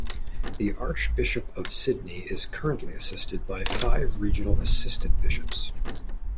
The Archbishop of Sydney is currently assisted by five regional assistant bishops.